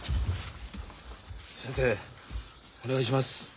先生お願いします。